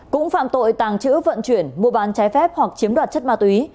cũng phạm tội tàng trữ vận chuyển mua bán trái phép hoặc chiếm đoạt chất ma túy